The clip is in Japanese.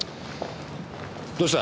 どうした？